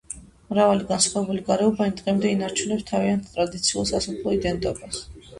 მრავალი განსხვავებული გარეუბანი დღემდე ინარჩუნებს თავიანთ ტრადიციულ სასოფლო იდენტობას.